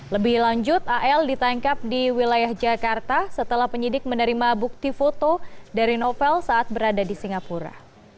lebih lanjut al ditangkap di wilayah jakarta setelah penyidik menerima bukti foto dari novel saat berada di singapura